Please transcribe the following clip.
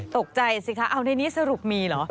ตกใจสิคะเอาในนี้สรุปมีเหรอ